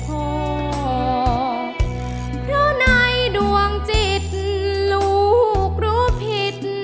พ่อเพราะในดวงจิตลูกรู้ผิด